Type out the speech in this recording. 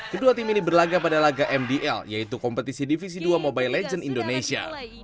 kedua tim ini berlagak pada laga mdl yaitu kompetisi divisi dua mobile legends indonesia